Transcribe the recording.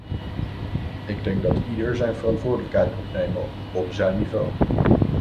Ik denk dat ieder zijn verantwoordelijkheid moet nemen, op zijn niveau.